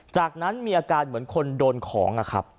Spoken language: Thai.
จากนั้นมีอาการเหมือนคนโดนของ